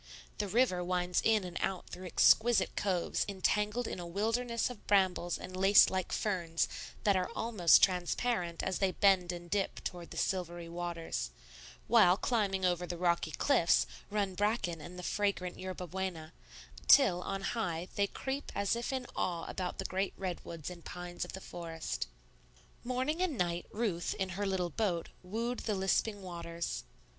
The river winds in and out through exquisite coves entangled in a wilderness of brambles and lace like ferns that are almost transparent as they bend and dip toward the silvery waters; while, climbing over the rocky cliffs, run bracken and the fragrant yerba buena, till, on high, they creep as if in awe about the great redwoods and pines of the forest. Morning and night Ruth, in her little boat, wooed the lisping waters.